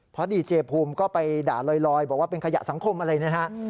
เพราะดีเจภูมิก็ไปด่าลอยบอกว่าเป็นขยะสังคมอะไรนะฮะ